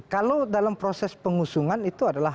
kalau dalam proses pengusungan itu adalah